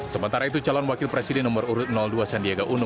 sementara itu calon wakil presiden nomor urut dua sandiaga uno